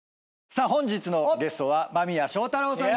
さあ本日のゲストは間宮祥太朗さん